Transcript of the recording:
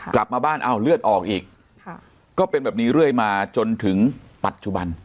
กลับมาบ้านอ้าวเลือดออกอีกก็เป็นแบบนี้เรื่อยมาจนถึงปัจจุบัน